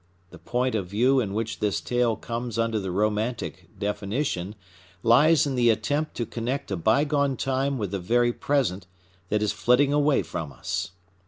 The point of view in which this tale comes under the Romantic definition lies in the attempt to connect a bygone time with the very present that is flitting away from us.